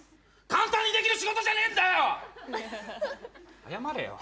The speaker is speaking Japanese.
簡単にできる仕事じゃねえんだよ！